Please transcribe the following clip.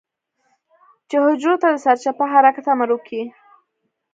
چې حجرو ته د سرچپه حرکت امر وکي.